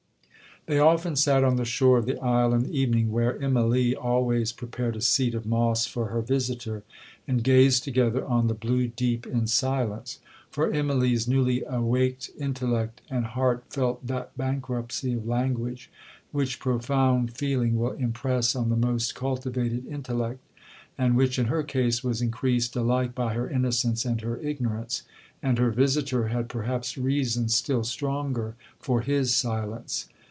'They often sat on the shore of the isle in the evening, where Immalee always prepared a seat of moss for her visitor, and gazed together on the blue deep in silence; for Immalee's newly awaked intellect and heart felt that bankruptcy of language, which profound feeling will impress on the most cultivated intellect, and which, in her case, was increased alike by her innocence and her ignorance; and her visitor had perhaps reasons still stronger for his silence.